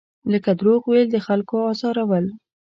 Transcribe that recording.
لکه دروغ ویل، د خلکو ازارول.